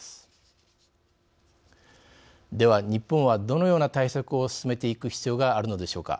では日本はどのような対策を進めていく必要があるのでしょうか。